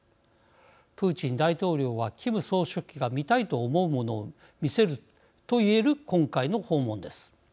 プーチン大統領はキム総書記が見たいと思うものを見せると言える今回の訪問です。